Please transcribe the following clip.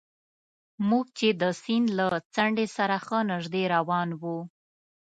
موږ چې د سیند له څنډې سره ښه نژدې روان وو.